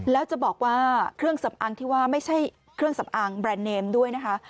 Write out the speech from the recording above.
แล้วจะบอกว่าเครื่องสำอางที่ว่าไม่ใช่เครื่องสำอางแบรนด์เนมด้วยนะคะ